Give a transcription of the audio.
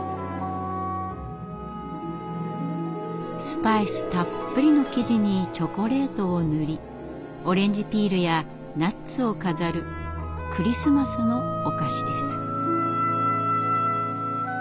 スパイスたっぷりの生地にチョコレートを塗りオレンジピールやナッツを飾るクリスマスのお菓子です。